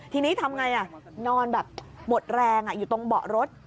ทีนี้ทำไงนอนแบบหมดแรงอยู่ตรงเบาะรถ